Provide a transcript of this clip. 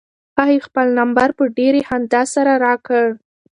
هغې خپل نمبر په ډېرې خندا سره راکړ.